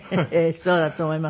そうだと思います。